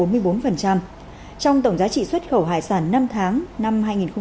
trong tổng giá trị xuất khẩu hải sản năm tháng năm hai nghìn hai mươi một